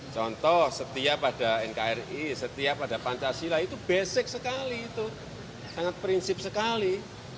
contoh setia pada nkri setia pada pancasila itu basic sekali itu sangat prinsip sekali